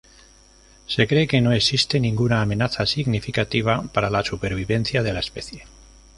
Se cree que no existe ninguna amenaza significativa para la supervivencia de la especie.